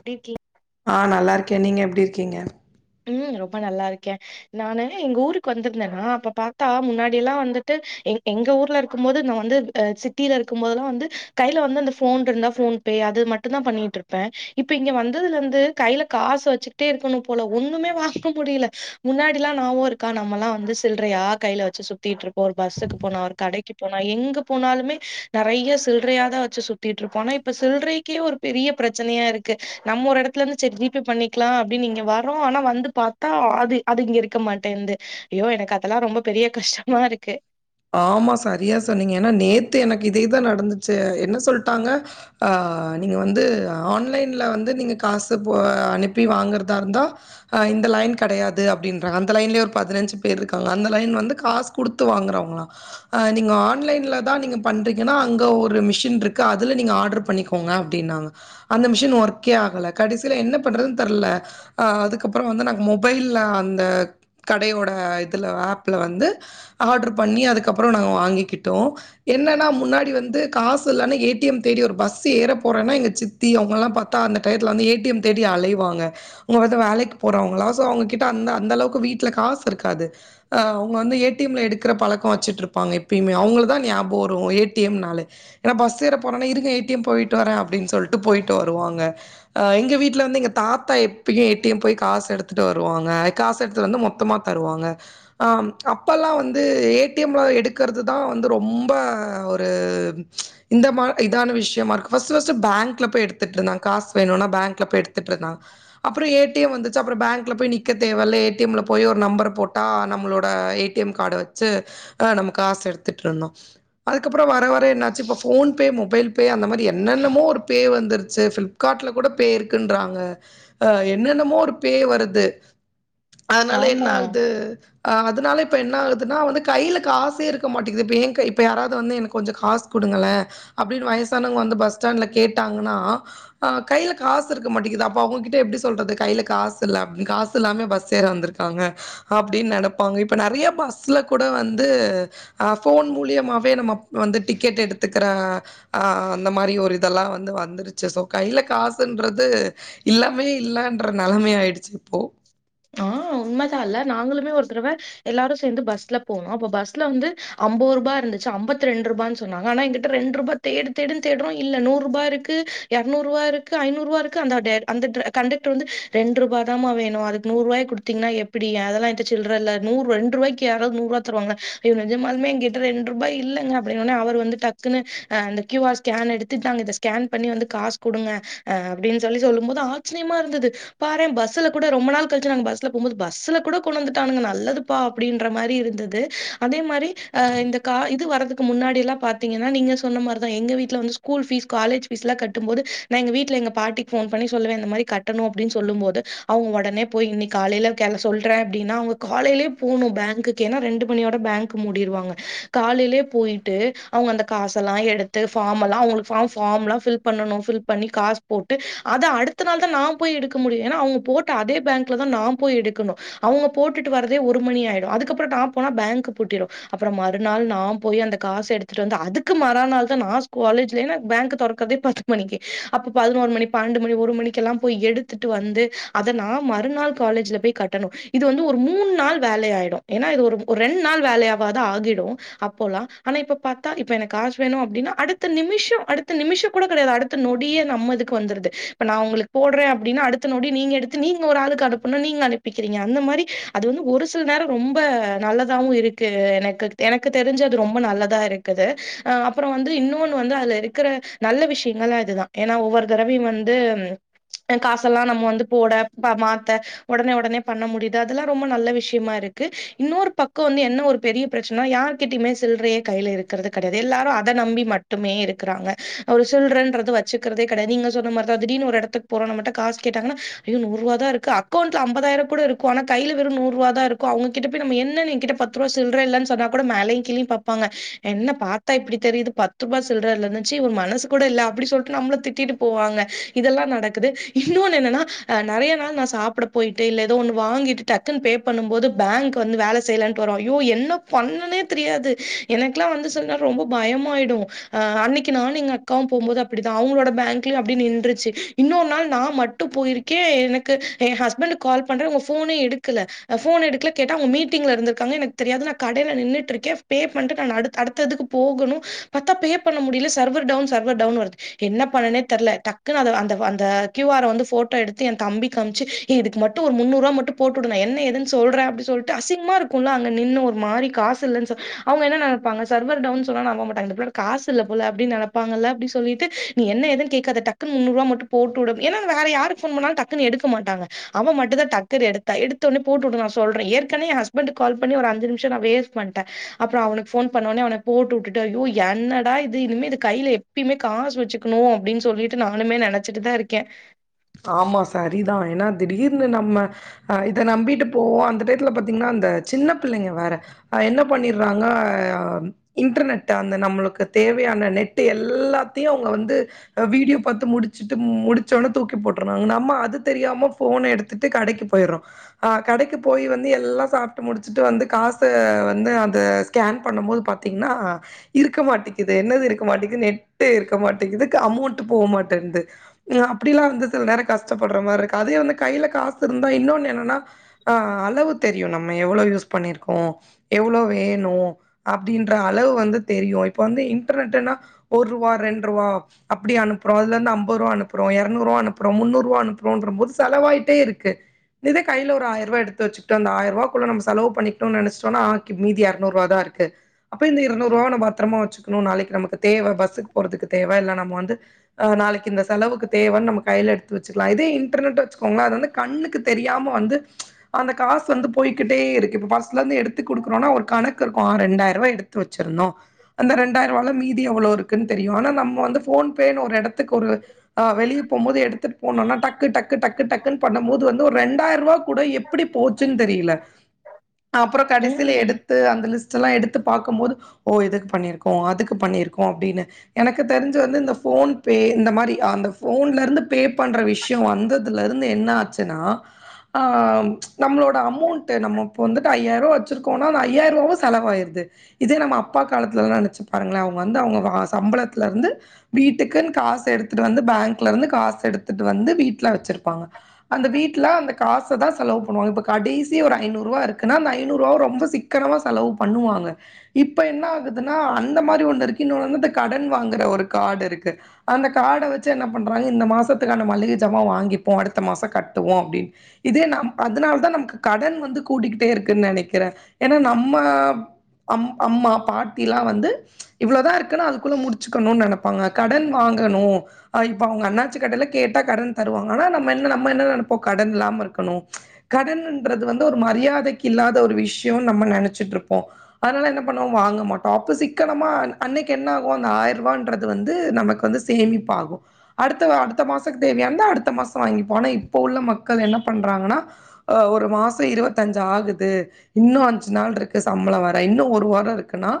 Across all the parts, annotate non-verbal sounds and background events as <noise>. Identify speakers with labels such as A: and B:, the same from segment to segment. A: எப்பிடிக
B: ஆ நல்லா இருக்கே நீங்க எப்பிடி இருக்கீங்க
A: உம் ரொம்ப நல்லா இருக்கே நானு எங்க ஊருக்கு வந்திருந்தேன்னா அப்ப பார்த்தா முன்னாடி எல்லா வந்துட்டு எங் எங்க ஊர்ல இருக்கும் போது நா வந்து சிட்டியில இருக்கும்போதெல்லா வந்து கையில வந்து அந்த போன் இருந்தா போன் பே அது மட்டு தா பண்ணிட்டு இருப்பே இப்ப இங்க வந்ததுல இருந்து கையில காசு வச் சுக்கட்டே இருக்கணும் போல ஒண்ணுமே வாங்க முடியல முன்னாடில்லா நாபகோ இருக்கா நம்மல்லா வந்து சில்றயா கையில வச்சு சுத்திட்டு இருப்போ பஸ்ஸுக்கு போனா ஒரு கடைக்கு போனா எங்க போனாலுமே நெறையா சில்றையாத வச்சு சுத்திட்டு இருப்போ ஆனா இப்போ சில்றைக்கே ஒரு பெரிய பிரச்சனையா இருக்கு நம்ம ஒரு எடத்துல இருந்து செரி ஜி பே பண்ணிக் க்கலா அப்படின்னு இங்க வரோ ஆனா வந்து பார்த்தா அது அது இங்க இருக்க மாட்டேன்ந்து ஐயோ எனக்கு அதெல்லா ரொம்ப பெரிய கஷ்டமா இருக்கு
B: ஆமா சரியா சொன்னீங்க ஏன்னா நேத்து எனக்கு இதேதா நடந்துச்சு என்ன சொல்லிட்டாங்க ஆ ஆ நீங்க வந்து ஆன்லைன்ல வந்து நீங்க காசு போ அனுப்பி வாங்கறதா இருந்தா ஆ இந்த லைன் கெடையாது அப்படின்றா அந்த லைன்லேயே ஒரு பதினஞ்சி பேர் இருக்காங்கா அந்த லைன் வந்து காசு குடுத்து வாங்கறாவங்களா ஆ நீங்க ஆன்லைன்ல தா நீங்க பண்றீங்கன்னா அங்க ஒரு மிஷின் இருக்கு அதுல நீங்க ஆர்டர் பண்ணிக்கோங்க ங்க அப்பிடின்னாங்க அந்த மிஷின் ஒர்க்கே ஆகல கடைசியில என்ன பண்றதுன்னு தெர்ல ஆ அதுக்கப்புறோ வந்து நா மொபைல் அந்த கடையோட இதுல ஆப்ல வந்து ஆர்டர் பண்ணி அதுக்கு அதுகப்புறோ நாங்க வாங்கிக்கிட்டோ என்னன்னா முன்னாடி வந்து காசு இல்லன்னு ஏ டி எம் தேடி ஒரு பஸ் ஏற போறோன்னா எங்க சித்தி அவங்கலா பாத்தா அந்த டையத்துல வந்து ஏ டி எம் தேடி அலைவாங்க உங்க வந்து வேலைக்கு போறவங்கள காசு அவங்ககிட்ட அந்த அந்த அளவுக்கு வீட்டுல காசு இருக்காது அவங்க வந்து ஏ டி எம் ல எடுக்கிற பழக் ட்டு இருப்பாங்க எப்பயமே அவங்களுக்கு தா ஞாபகோ வரு ஏ டி எம் நாலே ஏன பஸ் ஏற போறன இருங்க ஏடி டி ம் போயிட்டு வரே அப்படின்னு சொல்லிட்டு போயிட்டு வருவாங்க ஆ எங்க வீட்டுல வந்து எங்க தாத்தா இப்பயு ஏ டி எம் போய் காசு எடுத்துட்டு வருவாங்க காசு எடுத்து வந்து மொத்தமா தருவாங்க ஆ அப்பல்லா வந்து ஏட் ல எடுக்கிறது தா வந்து ரொம்ப ஒரு ம்ச் இந்த மா இதான விஷயமா இருக்கு பர்ஸ்ட் பர்ஸ்ட் பேங்க்ல போய் எடுத்துட்டு இருந்தாங்க காசு வேணுனா பேங்க்ல போய் எடுத்துட்டுருந்தா அப்புறோ ஏ டி எம் வந்துச்சு அப்புறோ பேங்க் பேங்கில போய் நிக்க தேவ இல்ல ஏ டி எம் ல போய் ஒரு நம்பர் போட்டா நம்மளோட ஏ டி எம் கார்ட வெச்சு நம்ம காச எடுத்துட்டு இருந்தோ அதுக்கப்புறோ வர வர என்னாச்சு இப்ப போன்பே மொபைல் பே அந்த மாரி என்னென்னமோ ஒரு பே வந்துருச்சு பிளிப்கார்ட்ல கூட பே இருக்குன்றாங்க ஆ என்னென்னமோ ஒரு பே வருது அதனால என்ன
A: ஆமா
B: ஆகுது அதனால இப்ப என்ன ஆகுதுன்னா வந்து கையில காசே இருக்க மாட்டேக்குது இப்ப ஏன் கை இப்ப யாரவது வந்து எனக்கு கொஞ்சு காசு குடுங்கலே அப்பிடின்னு வயசானவங்க வந்து பஸ் பஸ்டேன்ல கேட்டாங்கனா கையில காசே இருக்க மாட்டேங்குது அப்போ அவங்க கிட்ட எப்பிடி சொல்லரது கையில காசில்ல காசில்லாமா பஸ் ஏர வந்துருக்காங்க அப்பிடின்னு நெனப்பாங்க இப்ப நெறையா பஸ்ல கூட வந்து து ஆ போன் மூலியமாவே நம்ம வந்து டிக்கெட் எடுத்துக்குர ஆ அந்த மாரி ஒரு இதெல்லா வந்து வந்துருச்சு சோ கையில காசுன்றது இல்லாமயே இல்லன்ற நெலமே ஆயிடுச் சு இப்போ
A: ஆ உண்மதா இல்ல நாங்களளுமே ஒரு தடவ எல்லாரு சேந்து பஸ்ல போன அப்ப பஸ்ல வந்து அம்பதுருபா இருந் சு அம்பத்து ரெண்டு ரூபா சொன்னாங்க ஆனா எங்கிட்ட ரெண்டு ரூபா தேடு தேடு தேடுரோ இல்ல நூறு ரூபா இருக்கு எரநூறு ரூபா இருக்கு ஐநூறு ரூபா இருக்கு அந்த அந்த கண்டக்டர் வந்து ரெண்டு ரூபாதாமா வேணு அது நூறுவாய குடுத்தீங்கனா எப்பிடி அதெல்லா ஏன்ட்ட சில்ரோ இல்ல நூறு ரெண்டு ரூபாய்க்கு யாராவது நூறுபா தருவாங்களா அய்யோ நெஜமாளுமே என்ங்கிட்ட ரெண்ரூபா இல்லங்க அப்படின்னோன்னே அவர் வந்து டக்குன்ன அந்த கியூ ஆர் ஸ்கேன் எடுத்து இந்தாங்க இத ஸ்கேன் பண் ணி வந்து காசு குடுங்க அப்படின்னு சொல்லி சொல்லும் போது ஆச்சரியமா இருந்தது பாரே பஸ்ல கூட ரொம்ப நாள் கழிச்சு நாங்க பஸ்ல போம்போது பஸ்ல கூட கொன்னுவந்துட்டானுங்க நல்லது பா அப்படின்ற மாரி இருந்தது அதே மாரி இந்த க இது வரதுக்கு முன்னாடில்லா பாத்தீங்கன்னா நீங்க சொன்ன மாரிதா எங்க வீட்டுல வந்து ஸ்கூல் பீஸ் காலேஜ் பீஸ்ல கட்டும் போது நா எங்க வீட்டுல எங்க பாட்டிக் போன் பண்ணி சொல்லுவே இந்த மாரி கட்டணு அப்படின்னு சொல்லும் போது அவங் ஒடனே போய் இன்னைக்கு காலையில கே சொல்றே அப்படின்னா அவங்க காலையிலேயே போனு பேங்குக்கு ஏனா ரெண்டு மணியோட பேங்க் மூடிரு வாங்க காலையிலயே போயிட்டு அவங்க அந்த காசல்லா எடுத்து பாம் எல்லா அவங்களுக்கு பாம் ஃபாம் எல்லா ஃபில் பண்ணணும் ஃபில் பண்ணி காசு போட்டு அத அடுத்த நாள் தா நா போய் எடுக்க முடியு ஏனா அவுங்க போட்ட அதே ஃபேங்க் தா நா போய் எடுக்கணு அவுங்க போட்டுட்டு வரதே ஒரு மணி ஆயிடு அதுக்கப்பறோ நா போனா ஃபேங்க் பூட்டிரு அப்றோ மறுநாள் நா போயி அந்த காசு எடுத்துட்டு வந்து அதுக்கு மரா நாள்தா நா காலேஜ்ல ஃபேங்க் தொரக்கதே பத்து மணிக்கி அப்ப பதினோரு மணி பன்னெண்டு மணி ஒரு மணிக்கெல்லா போய் எடுத்துட்டு வந்து அத நா மறுந் றுநாள் காலேஜ்ல போய் கட்டணு இது வந்து ஒரு மூன் நாள் வேல ஆயிடு ஏனா இது ஒரு ஒரு ரெண்டு நாள் வேலையாவது ஆ அகிடு அப்போலா ஆனா இப்ப பாத்தா இப்ப எனக்கு காஸ் வேணு அப்டின்னா அடுத்த நிமிஷோ அடுத்த நிமிஷங் கூட அடுத்த நொடியே நம்ம இதுக்கு வந்துருது இப்ப நா உங்களுக்கு போடுறே அப்டின்னா அடுத்த நொடி நீங்க எடுத்து நீங்க ஒரு ஆளு க்கு அனுப்புனோ நீங்க அனுப்பிக்கிறீங்க அந்த மாரி அது வந்து ஒரு சில நேரோ ரொம்ப நல்லதாவு இருக்கு எனக் எனக்கு தெரிஞ்ச அது ரொம்ப நல்லதா இருக்குது அ அப்பறோ வந்து இன்னொன்னு வந்து அது இருக்குற நல்ல விஷ்ய யங்கள அதுதா ஏன்னா ஒவ்வொரு தடவையு வந்து ம் காசல்லா நம்ம வந்து போட ம்மாபா ந்த ஒடனே ஒடனே பண்ண முடியுது அதெல்லா ரொம்ப நல்ல விஷயமா இருக்கு இன்னொரு பக்கோ வந்து என்ன ஒரு பெரிய பிரச் ச்சனனா யார் கிட்டயுமே சில்லறையே கையில இருக்குறது கெடையாது எல்லாரு அத நம்பி மட்டுமே இருக்குறாங்க ஒரு சில் லன்றது வச்சுக்கிறதே கெடையாது நீங்க சொன்ன மாரிதா திடிர்னு ஒரு எடத்துக் போறோ நம்மட்ட காஸ் கேட்டங்கன்னா ஐயோ நூர்ருவா தா இருக் க்கு அக்கோண்ட்ல அம்பதாயிரோ கூட இருக்கு ஆனா கையில வெரு நூறு ரூவாதா இருக்கு அவுங்ககிட்ட போயி நம்ம என்ன ஏ கிட்ட பத்துருவா சில்ர இல்ல சொன்னா கூட மேலையு கிழயு பாப்பாங்க என்ன பாத்தா இப்டி தெரியுது பத்து ரூவா சில்ற இல்லனு சீ ஒரு மனசு கூட இல்ல அப்டி சொல்ட்டு நம்லு திட்டிட்டு போவாங்க இதெல்லா நடக்குது இன்னொன்னு என்னன்னா நெறைய நாள் நா சாப்ட போயிட்டு இல்ல ஏதோ ஒன்னு வாங்கிட்டு டக்குன்னு பே பண்ணு போது ஃபேங்க் வந்து வேல செய்லன்ட்டு வரு ஐயோ என்ன பண்ணனே தெரியாது எனக்கெல்லா வந்து சொன்ன ரொம்ப பயமாயிடு அ அன்னைக்கி நானு எங்க அக்காவு போம் போது அப்புடிதா அவுங்களோட பேங்க்யும அப்டி நின்றுச்சு இன்னொர் நாள் நா மட்டு போயிருக்கே எனக்கு ஏ ஹஸ்பண்ட்டுக்கு கால் பண்றே அவுங்க ஃபோனே எடுக்கல ஃபோன் எடுக்கல கேட்டா அவுங் மீட்டிங்ல இருந்துருக்காங்க எனக்கு தெரியாது நா கடைக் நா நின்னுட்டிருக்க பே பண்ட்டு நா அடுத்து அடுத்துக்கு போகணு பாத்தா பே பண்ண முடியல சர்வர் டவுன் சர்வர் டவு டவுன்னு வருது என்ன பண்னணே தெர்ல டக்குன்னு அந்த அந்த க்யூஆர் வந்து போட்டோ எடுத்து ஏ தம்பிக் கம் ப்ச்சு இதுக்கு மட்டு ஒரு முன்னூர்வா மட்டு போட்டு வுடு நா என்ன எதுனு சொல்ற அப்டி சொல்ட்டு அசிங்மாருக்கூல அங்க நின்னு ஒரு மா மாரி காசு இல்ல சொ அவுங்க என்ன நெனப்பாங்க சர்வர் டவுன் சொன்ன நம்பமாட்டாங்க இந்த புள்ளட்ட காசு இல்ல போல அப்டி நெனப்பாங்கல்ல ப்டி சொல்லிட்டு நீ என்ன ஏதுன்னு கேக்காத டக்குன்னு முன்னூறுவா மட்டு போட்டுவுடு ஏன்னா வேற யாருக்கு போன் பன்னாலு டக்குனு எடுக்கு க்க மாட்டாங்க அவெ மட்டுந்தா டக்குனு எடுத்தா எடுத்ததொடனே போட்டுவுடு நா சொல்றே ஏற்கனே ஏ ஹஸ்பண்டுக் கால் பண்ணி ஒரு ஐஞ்சு நிமிஷோ ட்ட நா வேஸ்ட் பண்ட்ட அப்பறோ அவனுக்கு போன் பண்ணவோனே அவன போட்டு வுட்டுட்டு ஐயோ என்னடா இது இனிமே இது கையில எப் எப்யுமே காசு வச்சுக்கணு அப்டின் சொல்லிட்டு நானுமே நெனச்சுட்டுதா இருக்கே
B: ஆமா சரிதா ஏனா திடீர்னு நம்ம அ இத நம்பிட்டு போவோ அந்த டைத்தல பாத்தீங்ன்னா அ சின்ன பிள்ளைங்க வேற என்ன பண்ணிடுறாங்க அ அ இன்டர்நெட் அந்த நம்மளுக்கு தேவையான நெட்டு எல்லாத்தையு அவுங்க வந்து அ வீடியோ பாத்து முடுச்சுட்டு முடுச்சோன தூக்கி போட்டுறாங்க நம்ம அது தெரியாம போன் எடுத்துட்டு கடைக்கு போயிறோ அ கடைக்கு போய் வந்து எல் எல்லா சாப்டு முடிச்சுட்டு வந்து காச வந்து அத ஸ்கேன் பண்ணும் போது பாத்திங்கன்னா இருக்க மாட் மாட்டேகிது என்ன இருக்க மாட்டேகிது நெட்டு இருக்க மாட்டேகிது அமௌண்டு போ மாட்டேகிது <unintelligible> அப்டிலா வந்து சில நேரோ கஷ்டப்பட்ற மாரி இருக்கு அதே வந்து கையில காசு இருந்தா இன்னொன்னு என்னன்னா அ அளவு தெரியு நம்ம எவ்ளோ யூஸ் பண்ணிருக்கோ எவ்ளோ வேணு அப்டின்ற அளவு வந்து தெரியு இப்போ இப்ப வந்து இன்ர்நெட்டுனா ஒரு ரூவா ரெண்டு ரூவா அப்டி அனுப்புறோ அதுல இருந்து அம்பது ரூவா அனுப்றோ ப்றோ இரநூறுவா அனுப்புறோ முன்னூறுவா அனுப்புறோன்றப்ப போது செலவாயிட்டே இருக்கு இத கையில ஒரு ஆயிர ரூவா எடுத்து வச்சுகுட்டோனா அந்த ஆயிர ரூவா குள்ள நம்ம செலவு பண்ணிக் கிட்டோன்னா நெனச்சுடோன்னா ஆக்கி மீதி இரநூறுவா தா இருக்கு இருக்கு அப்ப இந்த இருநூற ரூவாவ நா பத்தரமா வச்சுக்கணு நாளைக்கி நமக்கு தேவ பஸ்ஸுக்கு போறதுக்கு தேவ இல்ல நம்ம வந்து ஆ நாளைக்கி இந்த செலவுக்கு தேவன்னு நம்ம கையில் எடுத்து வச்சுக்கலா இதே இன்டர்நெட் வச்சுக்கோங்களே அது வந்து கண்ணுக்கு தெரியாம வந்து அந்த கா காசு வந்து போயிகிட்டே இருக்கு பர்ஸ்லந்து எடுத்து குடுக்கறோனா ஒரு கணக்கு இருக்கு ரெண்டாயிர் ரூவா எடுத்து வச்சுறனு அந்த ரெண்டாயிர ரூவால மீதி எவ்வளவு இருக்கு தெரியு ஆன நம்ம வந்து ஃபோன் ஃபோன் பேன்னு ஒரு எடத்துக்கு ஒரு ஆ வெளிய போம் போது எடுத்துட்டு போனுன்னா டக்கு டக்கு டக்கு டக்குனு பண்ணும் போது வந்து ஒரு ரெண்டாயிர ரூவா கூட எப்புடி போ போச்சுன்னு தெரியல அப்றோ கடைசியில
A: ம்.
B: எடுத்து அந்த லிஸ்ட் ட் எல்லா எடுத்து பாக்கும்போது ஓ எதுக்கு பண்ணிருக்கோ அதுக்கு பண்ணிருக்கோ அப்டின்னு எனக்கு தெரிஞ்சு வந்து இந்த ஃபோ ஃபோன்பே இந்த மாரி அந்த போன்ல இருந்து பே பண்ற விஷயோ வந்ததுல இருந்து என்ன ஆச்சுன்னா ஆ நம்மளோட அமவுண்ட் நம்ம இப்ப வந்துட்டு ஐயாயிர ரூவா வெச்சிருக்கோனா அந்த ஐயிர ரூவாவு செலவாயிடுது இதே நம்ம அப்பா காலத்துலலா நெனச்சு பாருங்களே அவங்க வந்து அவங்க சம்பளத்துல இருந்து வீட்டுக்குன் காச எடு த்துட்டு வந்து பேங்க்ல இருந்து காச எடுத்துட்டு வந்து வீட்ல வெச்சிருப்பாங்க அந்த வீட்ல அந்த காச தா செ லவு பண்ணுவாங்க இப்ப கடைசி ஒரு ஐநூறு ரூவா இருக்குனா அந்த ஐநூறு ரூவாவ ரொம்ப சிக்கினமா செலவு பண்ணுவாங்க இப் ப என்ன ஆகுதுன்னா அந்த மாரி ஒண்ணு இருக்கு இன்னொனு வந்து இப்ப கடன் வாங்கற ஒரு கார்டு இருக்கு அந்த கார்ட வெச்சு என்ன பண்றாங்க இந்த மாசத்துக்கான மள்ளிக ஜமா வாங்கிப்போ அடுத்த மாசோ கட்டுவோ அப்டின் இதே நா க அதனால தா நமக்கு கடன் வந்து கூட்டிகிட்டே இருக்குன்னு நெனைக்குறே ஏன்னா நம்ம அம் அம்மா பாட்டிலா வந்து இவ்ளோதா இருக் க்குனு அதுக்குள்ள முடிச்சுக்கணு நெனப்பாங்க கடன் வாங் கணு அ இப்ப அவங்க அண்ணாச்சி கடையில கேட்டா கடன் தருவாங்க ஆனா நம்ம என்ன நம்ம என்ன நனப்போ கடன் இல்லாம இருக்கு கனு கடனுன்றது வந்து ஒரு மரியாதைக்கு இல்லாத ஒரு விஷயோன் நம்ம நெனச்சிட்டு இருப்போ ஆ னா என்ன பண்ணுவோ வாங்கமாட்டோ அப்ப சிக்கனமா அன்னைக்கு என்ன ஆகோ அந்த ஆயிர ரூபான்றது வந்து நமக்கு வந்து சேமிப்பாகு அடுத்த வா அடுத்த மாசக்கு தேவையானத அடுத்த மாச வாங்கிப்போ ஆனா இப்போ உள்ள மக்கள் என்ன பண்றாங்கன்னா ஆ ஒரு மாச இருவத்தஞ்சு ஆகுது இன்னு அஞ்சு நாள் இருக்கு சம்பள வர இன்னு ஒரு வரோ இருக்குன் னா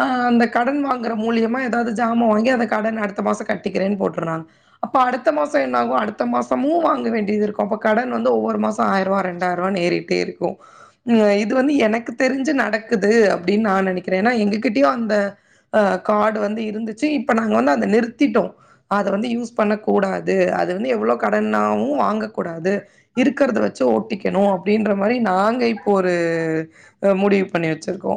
B: ஆ அந்த கடன் வாங்குற மூலியமா ஏதாவது ஜாம்மா வாங்கி அந்த கடன அடு த்த மாச கட்டிக்கிறேன் போட்டுராங் அப்ப அடுத்த மாசோ என்ன ஆகு அடுத்த மாசமு வாங்க வேண்டியது இருக்கு அப்ப கடன் வ வந்து ஒவ்வொரு மாசோ ஆயிர ரூவா ரெண்டாயிர ரூவான்னு ஏரிட்டே இருக்கு ஆ இது வந்து எனக்கு தெரிஞ்சு நடக்குது உ அப்டின்னு நா நெனைக்கிறே ஏன்னா எங்ககிட்டயோ அந்த ஆ கார்டு வந்து இருந்துச்சு இப்ப நாங்க வந்து அந்த நிறுத் திட்டோ அத வந்து யூஸ் பண்ணக்கூடாது அது வந்து எவ்ளோ கடன்னாவு வாங்கக் கூடாது இருக்குறத வெச்சு ஓட்டிக்கணு அப் டின்ற மாரி நாங்க இப்போ ஒரு முடிவு பண்ணி வெச்சிருக்கோ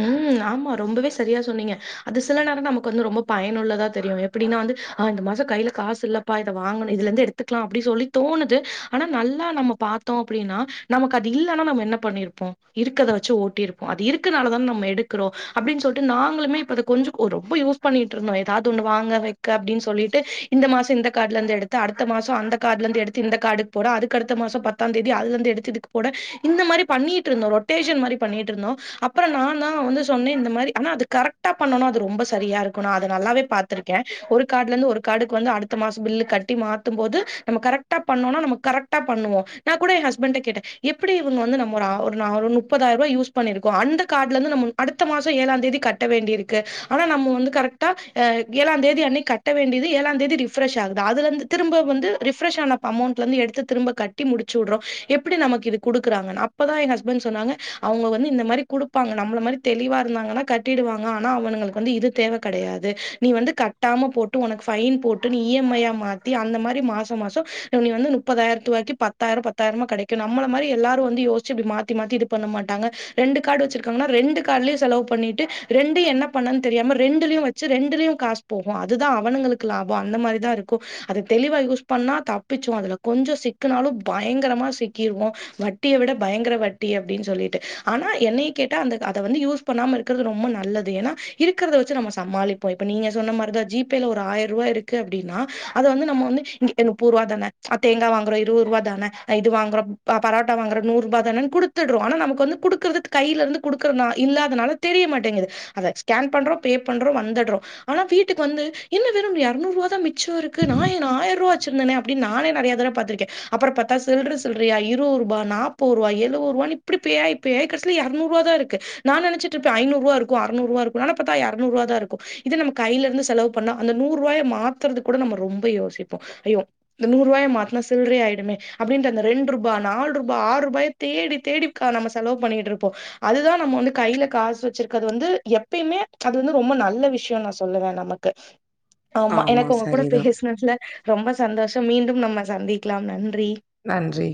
A: ம் ஆமா ரொம்பவே செரியா சொன்னீங்க அது சில நேர நமக்கு வந்து ரொம்ப பயனுள்ளதா தெரியு எப்டின்னா ந்து ஆ இந்த மாச கைல காசு இல்லப்பா இத வாங்கனு இதுல இருந்து எடுத்துக்லா அப்டி சொல்லி தோணுதூ ஆனா நல்லா நம் ம பாத்தோ அப்டின்னா நமக்கு அது இல்லன்னா நம்ம என்ன பண்ணிருப்போ இருக்கறத வெச்சு ஓட்டியிருப்போ அது இருக் குனால தானே நம்ம எடுக்குறோ அப்டின்னு சொல்லிட்டு நாங்களுமே இப்ப அது கொஞ்சோ கு ரொம்போ யூஸ் பண்ணிட்டு இருந்தோ ஏதாவது ஒன்னு வாங்க வைக்க அப்டின்னு சொல்லிட்டு இந்த மாச இந்த கார்டுல இருந்து எடுத்து அடுத்த மாசோ அந்த கார்டல இருந்து எடுத்து இந்த கார்டு போட அதுக்கடுத் த மாசோ பத்தா தேதி அதுல இருந்து எடுத்து இதுக்கு போட இந்த மாரி பண்ணிட்டு இருந்தோ ரொட்டேஷன் மாரி பண்ணிட்டு இருந்தோ அப் புறோ நா தா வந்து சொன்னே இந்த மாரி ஆனா அது கரெக்ட பண்ணுனா அது ரொம்போ சரியா இருக்கு நா அது நல்லாவே பாத்துருக்கே ஒரு கார்டுல இருந்து ஒரு கார்டுக்கு வந்து அடுத்த மாசோ பில்லு கட்டி மாத்தும்போது நம்ம கரெக்டா பண்ணோனா நம்ம கரக்டா பண் ண்ணுவோ நா கூட எ ஹஸ்பண்ட கேட்டே எப்டி இவங்க வந்து நம்ம ஒரு ஆ ஒரு நா முப்பதாயிர ரூபா யூஸ் பண்ணிருக்கோ அந்த கார்டுல இருந்து நம்ம அடுத்த மாசோ ஏழா தேதி கட்ட வேண்டிய இருக்கு ஆனா நம்ம வந்து கரெக்டா ஆ ஏழா தேதி கன்னி கட்ட வேண்டியது ஏலாந் தேதி ரிஃப்ரெஷ் ஆகுது அதுலந்து திரும்ப வந்து ரிஃப்ரஷ் ஆனப் அமவுண்ட்லேந்து எடுத்து திரும்ப கட் டி முடிச்சுட்றோ எப்டி நமக்கு இது குடுக்குறாங்கன் அப்போதா எ ஹஸ்பண்ட் சொன்னாங்க அவங்க வந்து இந்த மாரி குடுப் பாங்க நம்மள மாரி தெளிவா இருந்தாங்கன்னா கட்டிடுவாங்க ஆனா அவனுங்களுக்கு வந்து இது தேவ கெடையாது நீ வந்து கட்டா ம போட்டு உனக்கு ஃபைன் போட்டு இ எம் ஐயா மாத்தி அந்த மாரி மாச மாச நீ வந்து முப்பதாயிரத்து வரைக்கு பத்தாயிர பத்தாயிரம்மா கெடைக்கு நம்மல மாரி எல்லாரு வந்து யோச்சி இப்டி மாத்தி மாத்தி இது பண்ண மாட்டாங்க ரெண்டு கார்ட்டு வெச்சிருக் காங்கனா ரெண்டு கார்ட்லயு செலவு பண்ணிட்டு ரெண்டு என்ன பண்ண தெரியாம ரெண்டுலையு வெச்சு ரெண்டுலையு காசு போவு அதுதா அவனுங்களுக்கு லாபோ அந்த மாரி தா இருக்கு அத தெளிவா யூஸ் பண்ணா தப்பிச்சோ அதுல கொஞ்சோ சிக்குனா லு பயங்கரமா சிக்கிருவோ வட்டிய விட பயங்கர வட்டி அப்டினு சொல்லிட்டு ஆனா என்னை கேட்டா அந்த அத வந்து யூஸ் பண்ணாம இருக்குறது ரொம்ப நல்லது ஏனா இருக்குறத வெச்சு நம்ம சமாளிப்போ இப்ப நீங்க சொன்ன மாரி தா ஜி பேல ஒரு ஆயிர ரூவா இருக்கு அப்டின்னா அத வந்து நம்ம வந்து‌ இ நுப்பத்ரூவா தான ஆ தேங்கா வாங்குறோ இருவ நூரூவா தானே அ இது வாங்குறோ ப பரோட்டா வாங்குறோ நூறு ரூபா தானேன் குடுத்துட்ரோ ஆன நமக்கு வந்து குடுக்குறதுக்கு கையில இருந்து கொடுக்குறதுனா இல்லாதனால தெரிய மாட்டேங்குது அத ஸ்கேன் பண்றோ பே பண்றோ வந்துட்றோ ஆனா வீட்டுக்கு வந்து என்ன வெறு எரநூறு ரூவா தா மிச்சோ இருக்கு நா நா ஆயரூவா வெச்சுருந்தனே அப்டினு நானே நெறையா தரவ பாத்துறுக்கே அப்றோ பத்தா சில்ர சில்ரயா இருவது ரூபா நாப்பது ரூவா எழுவது ரூ வானு இப்டி பே ஆயி பே ஆயி கஸ் எரநூறுபா தா இருக்கு நா நனச்சுட்டு இருப்பே ஐநூறுரூவா இருக்கு அறுநூறுருவா இருக்கு ஆனா பாத்தா எறநூறுவா தா இருக்கு இதே நமக்கு கைல இருந்து செலவு பண்ணா அந்த நூறு ரூவாய மாத்துறதுக்கு கூட நம்ம ரொம்ப யோசிப்போ ஐயோ இந்த நூறு ரூவாய மாத்துனா சில்ற ஆய்டுமே அப்டின்ர அந்த ரெண்டு ரூபா நால்ரூபா ஆறு ரூபாய தேடி தேடி க நம்ம செலவு பண்ணிட்டு இரு அதுதா நம்ம வந்து கையில காசு வச்சிருக்கிறது வந்து எப்பயுமே அது வந்து ரொம்ப நல்ல விஷயம் நா சொல் வே நமக்கு ஆமா எனக்கு உங்க கூட பேசினதுல ரொம்ப சந்தோஷ மீண்டும் நம்ம சந்திக்கலா நன்
B: நன்றி